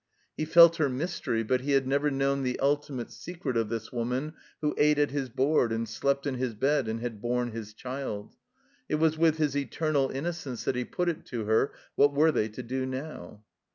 He felt her mystery, but he had never known the tdtimate secret of this woman who ate at his board and slept in his bed and had borne his child. It was with his eternal innocence that he put it to her. What were they to do now?